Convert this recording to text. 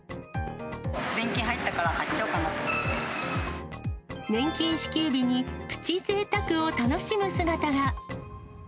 年金入ったから買っちゃおう年金支給日にプチぜいたくを楽しむ姿が。